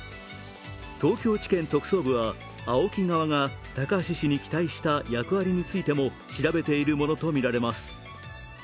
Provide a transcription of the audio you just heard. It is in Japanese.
東京地検特捜部はＡＯＫＩ側が高橋氏に期待した役割についても調べているものとみられます。